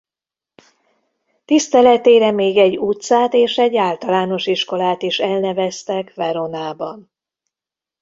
Tiszteletére még egy utcát és egy általános iskolát is elneveztek Veronában.